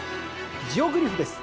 ジオグリフです。